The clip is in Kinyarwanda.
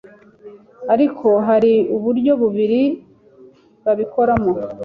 ariko hari uburyo bubiri babikoramo